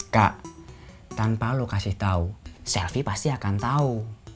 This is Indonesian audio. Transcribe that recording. kak tanpa lo kasih tau selfie pasti akan tau